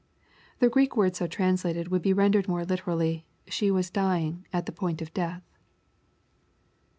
] The Greek word so translated would be rendered more literally, " she was dying— at the point of death."